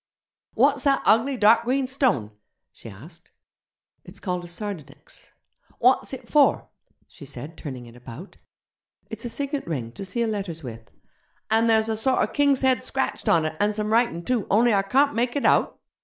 'What's that ugly dark green stone?' she asked. 'It's called a sardonyx.' 'What's it for?' she said, turning it about. 'It's a signet ring, to seal letters with.' 'An' there's a sorter king's head scratched on it, an' some writin' too, only I carnt make it out?'